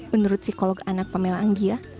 menurut psikolog anak pamela anggia